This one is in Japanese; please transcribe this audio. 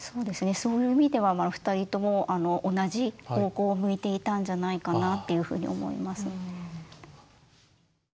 そういう意味では２人とも同じ方向を向いていたんじゃないかなっていうふうに思いますね。